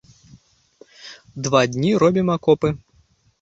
Два дні робім акопы.